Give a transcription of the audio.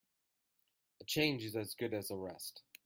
A change is as good as a rest.